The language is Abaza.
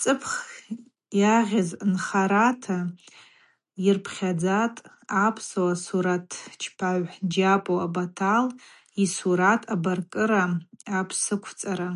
Цӏыпх йагъьыз нхарата йырпхьадзатӏ апсуа суратчпагӏв Джьапӏуа Батал йсурат абаркӏыра Апсыквцӏара.